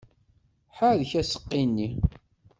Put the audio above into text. Ḥerrek aseqqi-nni!